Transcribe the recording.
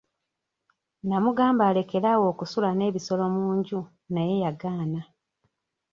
Namugambanga alekere awo okusula n'ebisolo mu nju naye yagaana.